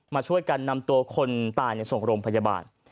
มาช่วยกันนำตัวคนตายในส่งโรงพยาบาล